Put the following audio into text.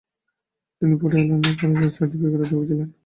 তিনি Fort William কলেজের সাহিত্য বিভাগের অধ্যাপক ছিলেন।